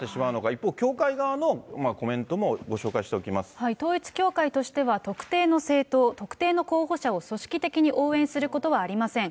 一方、協会側のコメントもご紹介統一教会としては、特定の政党、特定の候補者を組織的に応援することはありません。